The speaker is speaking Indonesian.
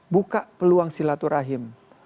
buka peluang silaturahim